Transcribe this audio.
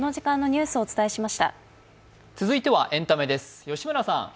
続いてはエンタメです。